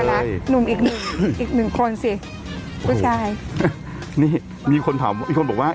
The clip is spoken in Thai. รักหนุ่มอีกหนึ่งอีกหนึ่งคนสิผู้ชายนี่มีคนถามอีกคนบอกว่า